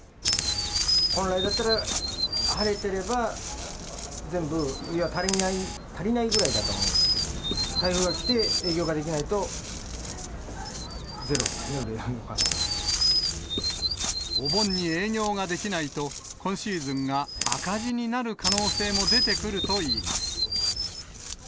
本来だったら、晴れてれば全部、足りないぐらいだと思うんですけど、台風が来て、営業ができないと、ゼロですね、売り上げは。お盆に営業ができないと、今シーズンが赤字になる可能性も出てくるといいます。